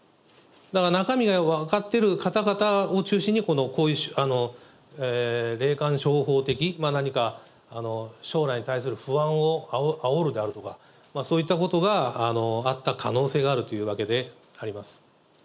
だから中身が分かってる方々を中心に、霊感商法的、何か将来に対する不安をあおるであるとか、そういったことがあった可能性があるというわけであります。